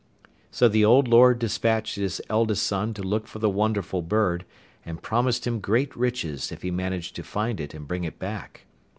So the old lord despatched his eldest son to look for the wonderful bird, and promised him great riches if he managed to find it and bring it back.